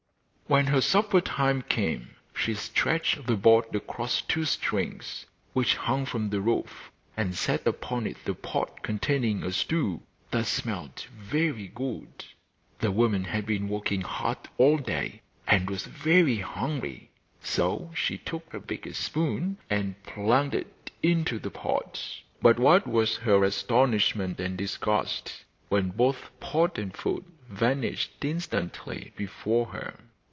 When her supper time came she stretched the board across two strings which hung from the roof, and set upon it the pot containing a stew that smelt very good. The woman had been working hard all day and was very hungry, so she took her biggest spoon and plunged it into the pot. But what was her astonishment and disgust when both pot and food vanished instantly before her!